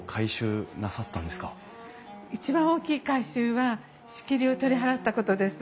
一番大きい改修は仕切りを取り払ったことです。